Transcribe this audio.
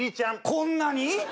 こんなに！？